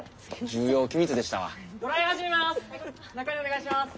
中へお願いします。